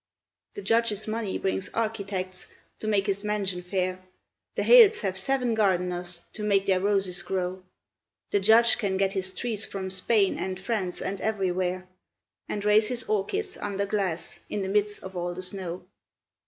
The Judge's money brings architects to make his mansion fair; The Hales have seven gardeners to make their roses grow; The Judge can get his trees from Spain and France and everywhere, And raise his orchids under glass in the midst of all the snow.